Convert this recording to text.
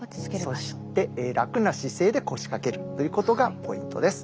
そして楽な姿勢で腰掛けるということがポイントです。